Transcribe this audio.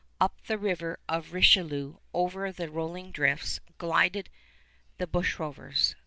Up the river bed of the Richelieu, over the rolling drifts, glided the bushrovers.